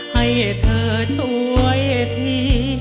ให้เธอช่วยที